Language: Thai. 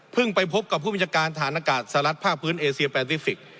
ไปพบกับผู้บัญชาการฐานอากาศสหรัฐภาคพื้นเอเซียแปซิฟิกส